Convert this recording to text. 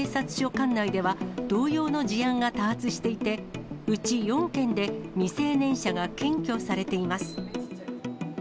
管内では、同様の事案が多発していて、うち４件で未成年者が検挙されています。